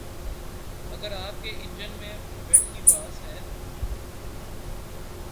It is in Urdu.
اگر آپ کے انجن میں ویٹ کی آواز ہے